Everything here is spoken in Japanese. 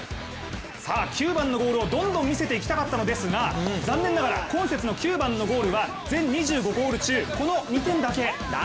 ９番のゴールをどんどん見せていきたかったのですが、残念ながら今節の９番のゴールは、全２５ゴール中この２点だけ。